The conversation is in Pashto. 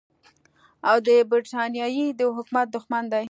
او د برټانیې د حکومت دښمن دی.